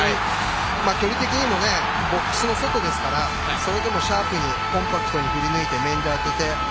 距離的にもボックスの外ですからそれでもシャープにコンパクトに振り抜いて面で当てて。